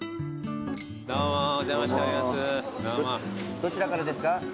どちらからですか？